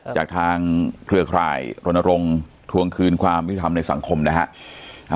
จากทางเครือข่ายรณรงค์ทวงคืนความยุติธรรมในสังคมนะฮะ